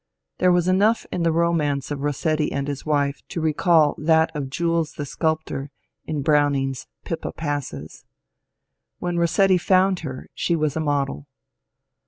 There was enough in the romance of Rossetti and his wife to recall that of Jules the Sculptor in Browning's '^Pippa Passes." When Rossetti found her she was a model.